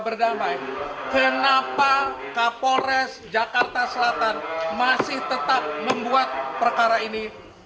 berdamai kenapa kapolres jakarta selatan masih tetap membuat perkara ini